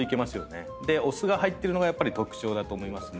でお酢が入ってるのがやっぱり特徴だと思いますね。